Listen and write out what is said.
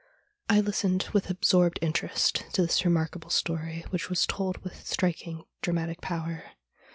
I listened with absorbed interest to this remarkable story which was told with striking dramatic power.